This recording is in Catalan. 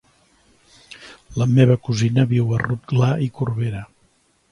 La meva cosina viu a Rotglà i Corberà.